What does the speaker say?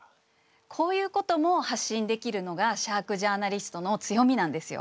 こういうことも発信できるのがシャークジャーナリストの強みなんですよ。